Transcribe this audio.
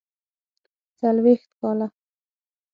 څلوېښت کاله.